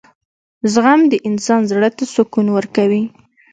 • زغم د انسان زړۀ ته سکون ورکوي.